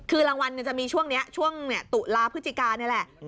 คือรางวัลจะมีช่วงนี้ช่วงตุลาพฤศจิกานี่แหละ